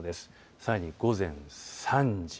さらに午前３時。